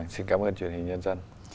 xin cám ơn truyền hình nhân dân